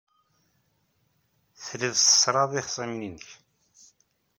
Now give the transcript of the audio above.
Tellid tṣerrɛed ixṣimen-nnek.